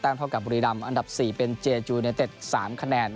แต้มเข้ากับบุรีรัมอันดับสี่เป็นเจจูเน็ตเต็ดสามคะแนน